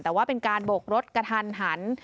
แต่ว่าเป็นการโบกรถกระทันหัน